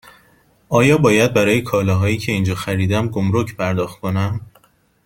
آیا باید برای کالاهایی که اینجا خریدم گمرگ پرداخت کنم؟